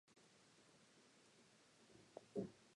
Asper attended the University of Manitoba.